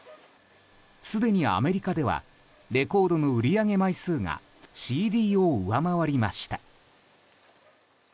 すでにアメリカではレコードの売り上げ枚数がＣＤを上回りました。